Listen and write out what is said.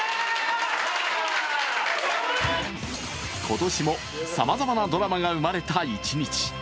今年も、さまざまなドラマが生まれた一日。